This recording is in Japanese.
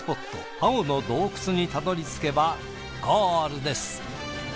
青の洞窟にたどり着けばゴールです。